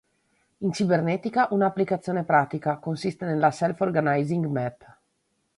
In cibernetica una applicazione pratica consiste nella Self-Organizing Map.